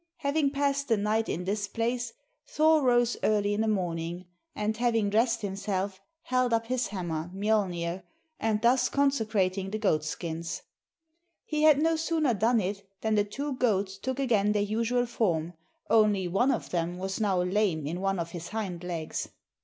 Having passed the night in this place, Thor rose early in the morning, and having dressed himself, held up his hammer, Mjolnir, and thus consecrating the goatskins; he had no sooner done it than the two goats took again their usual form, only one of them was now lame in one of its hind legs.